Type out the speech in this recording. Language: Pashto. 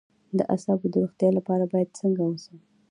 د اعصابو د روغتیا لپاره باید څنګه اوسم؟